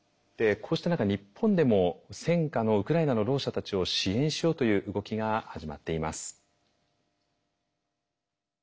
こうした中日本でも戦禍のウクライナのろう者たちを支援しようという動きが始まっています。